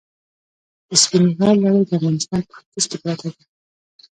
د سپین غر لړۍ د افغانستان په ختیځ کې پرته ده.